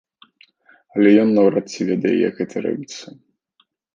Але ён наўрад ці ведае, як гэта робіцца.